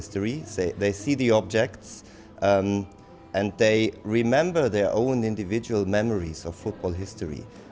mereka melihat objek dan mereka mengingatkan pengalaman sejarah bola